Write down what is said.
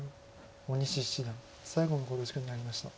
大西七段最後の考慮時間に入りました。